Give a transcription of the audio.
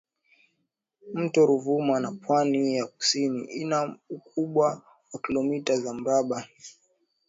mto Ruvuma na pwani ya kusini ina ukubwa wa kilomita za mraba